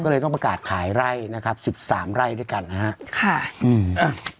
ก็เลยต้องประกาศขายไร่นะครับสิบสามไร่ด้วยกันนะฮะค่ะอืมอ่ะ